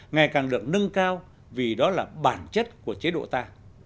ngày càng được nâng cao vì đó là bản chất của chế độ ta